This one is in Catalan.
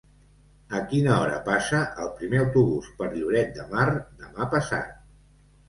A quina hora passa el primer autobús per Lloret de Mar demà passat?